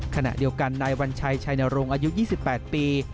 ขณะเดียวกันนายวัญชัยชัยนรงค์อายุ๒๘ปี